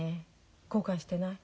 後悔してない？